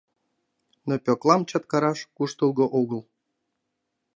Но Пӧклам чактараш куштылго огыл.